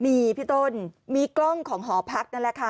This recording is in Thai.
มีพี่ต้นมีกล้องของหอพักนั่นแหละค่ะ